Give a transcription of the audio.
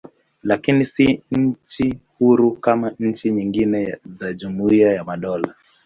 Lakini si nchi huru kama nchi nyingine za Jumuiya ya Madola.